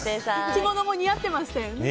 着物も似合ってましたね。